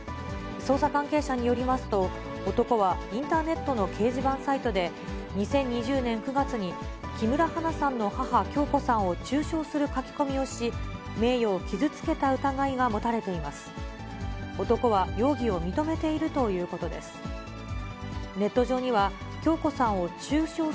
捜査関係者によりますと、男はインターネットの掲示板サイトで、２０２０年９月に、木村花さんの母、響子さんを中傷する書き込みをし、名誉を傷つけた疑いが持たれています。